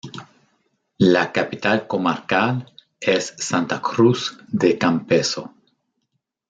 La capital comarcal es Santa Cruz de Campezo.